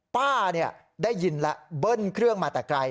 ป้าได้ยินแล้วเบิ้ลเครื่องมาแต่ไกล